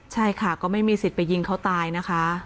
ใช่ค่ะก็ไม่มีสิทธิ์ไปยิงเขาตายนะคะ